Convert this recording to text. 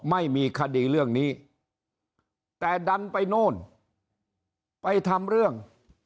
ไม่มีคดีเรื่องนี้แต่ดันไปโน่นไปทำเรื่อง